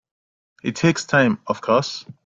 It takes time of course.